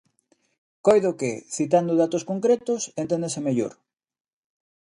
Coido que, citando datos concretos, enténdese mellor.